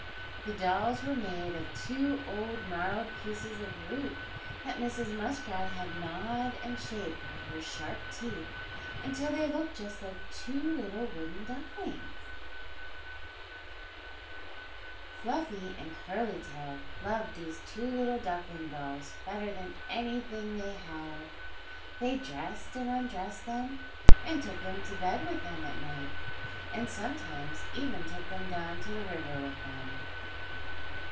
The dolls were made of two old gnarled pieces of root that Mrs. Muskrat had gnawed and shaped with her sharp teeth until they looked just like two little wooden ducklings. [Illustration: The two fowls were pleased to see each other] Fluffy and Curly Tail loved these two little duckling dolls better than anything they had; they dressed and undressed them, and took them to bed with them at night, and sometimes even took them down to the river with them.